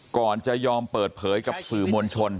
ก่อนจะยอมเปิดเผยกับสื่อมวลชน